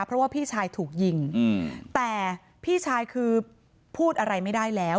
เพราะว่าพี่ชายถูกยิงแต่พี่ชายคือพูดอะไรไม่ได้แล้ว